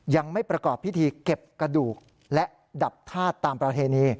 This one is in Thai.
ยังไม่ประกอบพิธีเก็บกระดูกและดับธาตุตามประเพณี